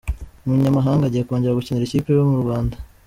Umunyamahanga agiye kongera gukinira ikipe yo murwanda